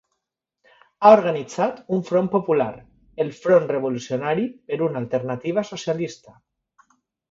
Ha organitzat un front popular, el Front Revolucionari per una Alternativa Socialista.